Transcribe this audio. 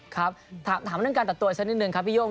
ครับถามเรื่องการตัดตัวสักนิดนึงครับพี่โย่ง